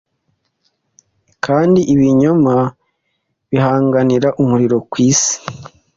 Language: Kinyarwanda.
Kandi ibinyoma bihanganira umuriro kwisi